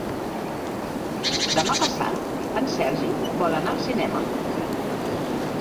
Demà passat en Sergi vol anar al cinema.